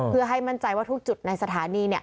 เพื่อให้มั่นใจว่าทุกจุดในสถานี